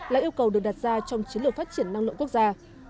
là yêu cầu được đặt ra trong chiến lược phát triển năng lượng quốc gia